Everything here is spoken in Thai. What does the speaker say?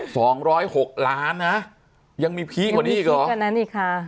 สองร้อยหกล้านนะยังมีพีคกว่านี้อีกหรอกว่านั้นอีกค่ะ